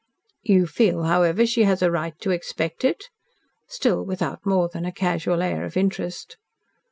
"You feel, however, she has a right to expect it?" still without more than a casual air of interest.